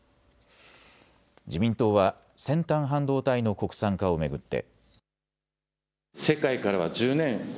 自民党は先端半導体の国産化を巡って。